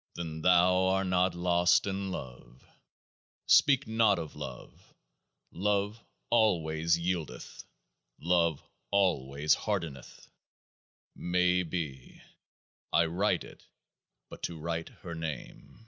... Then thou art not lost in love ; speak not of love. Love Alway Yieldeth : Love Alway Hardeneth. May be : I write it but to write Her name.